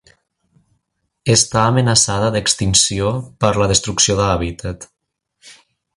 Està amenaçada d'extinció per la destrucció d'hàbitat.